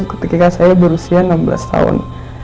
ketika saya berusia enam belas tahun